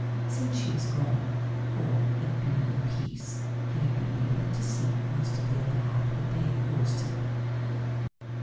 Since she was gone, all had been peace; he had been able to sleep most of the other half of the day also.